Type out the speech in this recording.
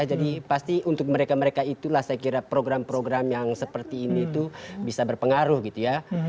jadi pasti untuk mereka mereka itulah saya kira program program yang seperti ini tuh bisa berpengaruh gitu ya